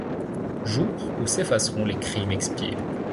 Jour où s'effaceront les crimes expiés